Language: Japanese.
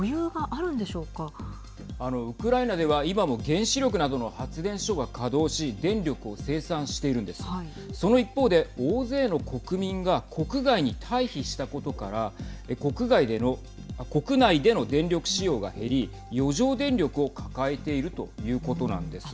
あの、ウクライナでは今も原子力などの発電所が稼働し電力を生産しているんです。その一方で、大勢の国民が国外に退避したことから国内での電力使用が減り余剰電力を抱えているということなんです。